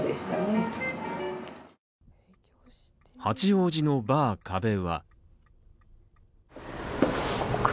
八王子のバー「壁」はここ、